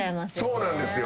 そうなんですよ。